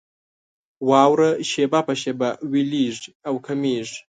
واوره شېبه په شېبه ويلېږي او کمېږي.